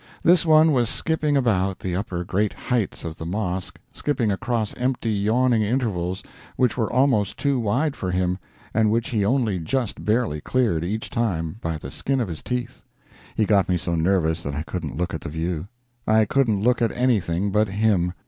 This one was skipping about the upper great heights of the mosque skipping across empty yawning intervals which were almost too wide for him, and which he only just barely cleared, each time, by the skin of his teeth. He got me so nervous that I couldn't look at the view. I couldn't look at anything but him.